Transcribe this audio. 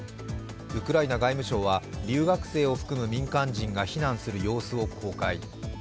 ウクライナ外務省は留学生を含む民間人が避難する様子を公開。